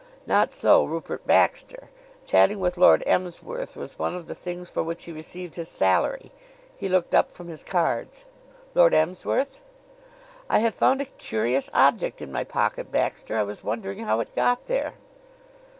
Not so Rupert Baxter. Chatting with Lord Emsworth was one of the things for which he received his salary. He looked up from his cards. "Lord Emsworth?" "I have found a curious object in my pocket, Baxter. I was wondering how it got there."